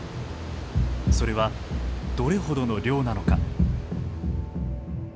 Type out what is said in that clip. それはどれほどの量なのか。